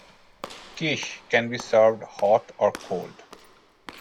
Quiche can be served hot or cold.